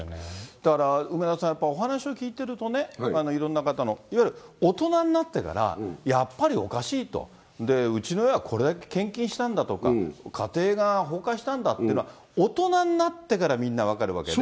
だから梅沢さん、やっぱりお話を聞いてるとね、なんかいろんな方の、いわゆる大人になってから、やっぱりおかしいと、うちの親はこれだけ献金したんだとか、家庭が崩壊したんだってのは、大人になってからみんな分かるわけで。